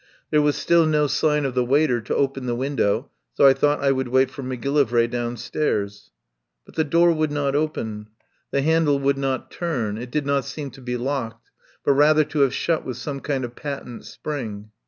There was still no sign of the waiter to open the window, so I thought I would wait for Macgillivray downstairs. But the door would not open. The handle would not turn. It did not seem to be locked, but rather to have shut with some kind of patent spring.